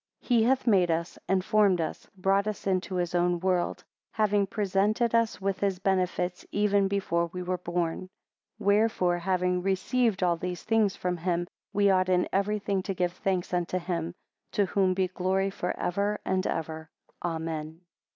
40 He hath made us, and formed us, brought us into his own world; having presented us with his benefits, even before we were born. 41 Wherefore, having received all these things from him, we ought in everything to give thanks unto him, to whom be glory for ever and ever. Amen.